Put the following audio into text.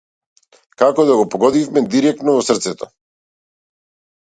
Како да го погодивме директно во срцето.